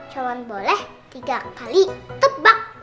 cuma boleh tiga kali tebak